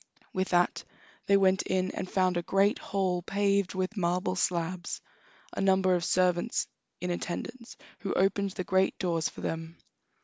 With that they went in and found a great hall paved with marble slabs, and numbers of servants in attendance, who opened the great doors for them.